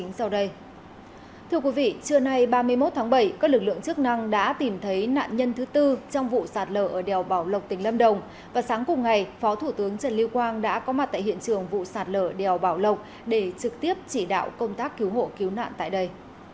phó thủ tướng trần lưu quang đã có mặt tại hiện trường vụ sạt lở đèo bảo lộc để trực tiếp chỉ đạo công tác cứu hộ cứu nạn tại đây